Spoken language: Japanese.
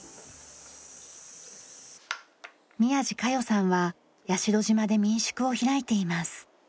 宮地佳世さんは屋代島で民宿を開いています。